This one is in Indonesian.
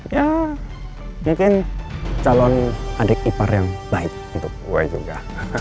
ya mungkin calon adik ipar yang baik itu aware juga